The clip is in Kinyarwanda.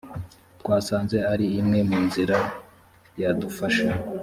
twasanze ari imwe mu nzira yadufasha